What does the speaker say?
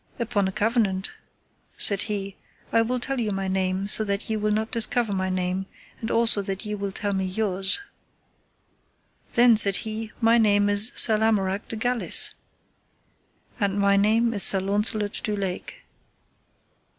Upon a covenant, said he, I will tell you my name, so that ye will not discover my name, and also that ye will tell me yours. Then, said he, my name is Sir Lamorak de Galis. And my name is Sir Launcelot du Lake.